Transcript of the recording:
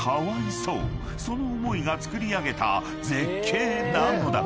［その思いがつくり上げた絶景なのだ］